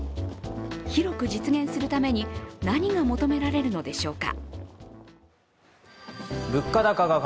広く実現するために、何が求められるのでしょうか。